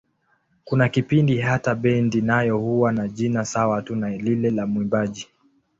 Kuna kipindi hata bendi nayo huwa na jina sawa tu na lile la mwimbaji.